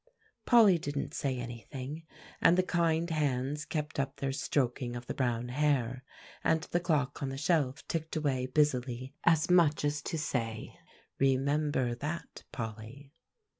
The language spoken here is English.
Polly didn't say anything, and the kind hands kept up their stroking of the brown hair, and the clock on the shelf ticked away busily as much as to say, "Remember that, Polly."